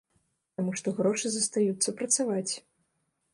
Таму што грошы застаюцца працаваць.